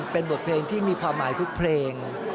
เป็นบทเพลงที่มีความหมายทุกเพลง